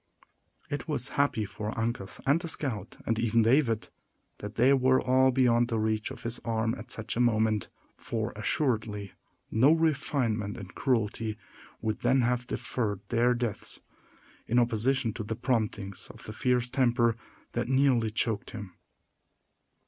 It was happy for Uncas and the scout, and even David, that they were all beyond the reach of his arm at such a moment; for, assuredly, no refinement in cruelty would then have deferred their deaths, in opposition to the promptings of the fierce temper that nearly choked him.